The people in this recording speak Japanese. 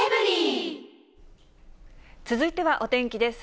続いてはお天気です。